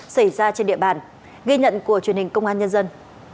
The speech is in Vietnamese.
xảy ra trên địa bàn ghi nhận của truyền hình công an nhân dân